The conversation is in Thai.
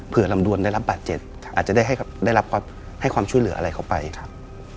เพื่อลำดวนได้รับบาดเจ็บอาจจะได้รับให้ความช่วยเหลืออะไรเข้าไปครับ